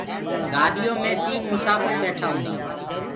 گآڏيو مي تيٚن مسآڦر ٻيٺآ هونٚدآ